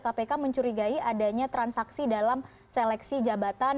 kpk mencurigai adanya transaksi dalam seleksi jabatan